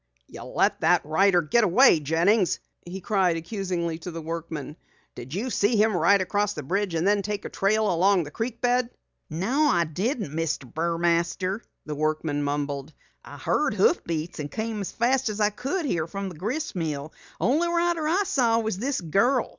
"You let that rider get away, Jennings!" he cried accusingly to the workman. "Did you see him ride across the bridge and then take a trail along the creek bed?" "No, I didn't, Mr. Burmaster," the workman mumbled. "I heard hoof beats and came as fast as I could from the grist mill. The only rider I saw was this girl.